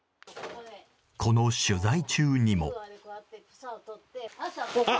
この取材中にも。